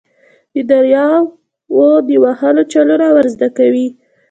د دریاوو د وهلو چلونه ور زده کوي.